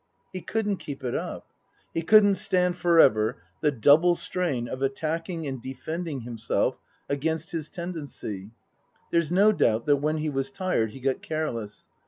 He couldn't keep it up. He couldn't stand for ever the double strain of attacking and defending himself against his tendency. There's no doubt that when he was tired he got careless.